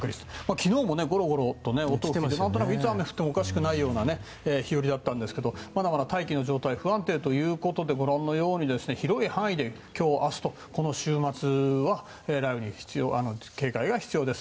昨日もゴロゴロと音がしていつ雨が降ってもおかしくないような日和だったんですがまだまだ大気の状態が不安定ということで、ご覧のように広い範囲で今日明日とこの週末は雷雨に警戒が必要です。